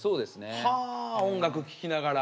は音楽聴きながら。